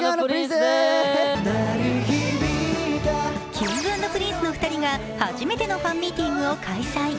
Ｋｉｎｇ＆Ｐｒｉｎｃｅの２人が初めてのファンミーティングを開催。